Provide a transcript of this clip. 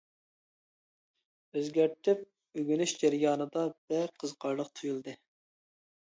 ئۆزگەرتىپ ئۆگىنىش جەريانىدا بەك قىزىقارلىق تۇيۇلدى.